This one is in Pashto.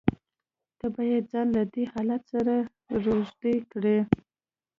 ته بايد ځان له دې حالت سره روږدى کړې.